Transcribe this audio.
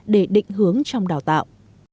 để định hướng trong đào tạo